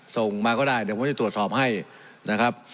ส่งมาก็ได้เดี๋ยวผมจะตรวจสอบให้นะครับ